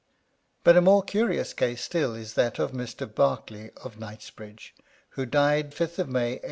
But a more curious case still is that of Mr, Berkley of Knightsbridge, who died 5 th May 1805.